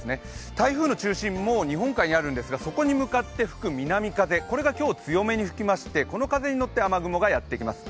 台風の中心、もう日本海にあるんですがそこに向かって吹く南風これが今日、強めに吹きましてこの風に乗ってやってきます。